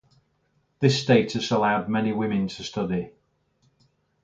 This status allowed many women to study.